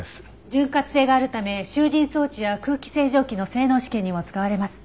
潤滑性があるため集じん装置や空気清浄機の性能試験にも使われます。